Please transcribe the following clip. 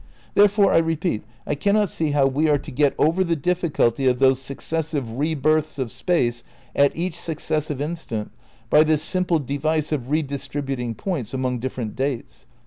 Therefore, I repeat, I cannot see how we are to get over the difficulty of those successive re births of Space at each successive instant by this simple device of redistributing points among different dates.